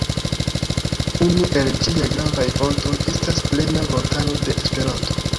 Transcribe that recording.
Unu el ĝiaj gravaj fontoj estas Plena Vortaro de Esperanto.